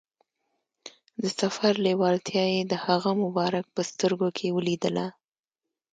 د سفر لیوالتیا یې د هغه مبارک په سترګو کې ولیدله.